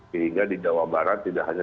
sehingga di jawa barat tidak hanya